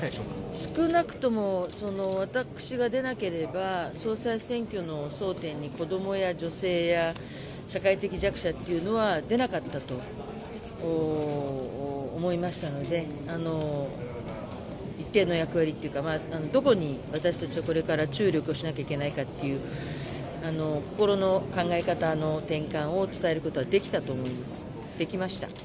少なくとも私が出なければ総裁選挙の争点に子供や女性や社会的弱者というのは出なかったと思いましたので、一定の役割というかどこに私たちはこれから注力をしなければいけないかという心の考え方の転換を伝えることはできました。